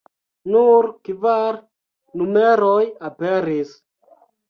Nur kvar numeroj aperis.